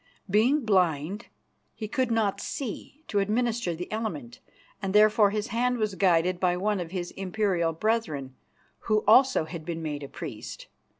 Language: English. Being blind, he could not see to administer the Element, and therefore his hand was guided by one of his imperial brethren, who also had been made a priest.